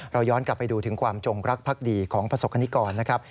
เราย้อนกลับไปดูถึงความจงรักภักดีของประสบคณิกรนะครับ